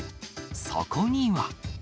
そこには。